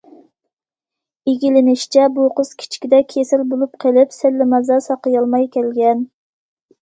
ئىگىلىنىشىچە، بۇ قىز كىچىكىدە كېسەل بولۇپ قېلىپ، سەللىمازا ساقىيالماي كەلگەن.